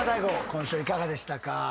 今週はいかがでしたか？